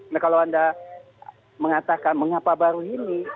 nah kalau anda mengatakan mengapa baru ini